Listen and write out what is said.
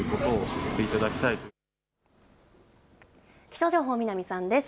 気象情報、南さんです。